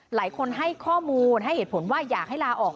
หลายคนให้ข้อมูลให้เหตุผลว่าอยากให้ลาออก